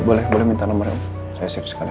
boleh boleh minta nomornya saya save sekali